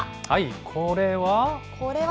これは？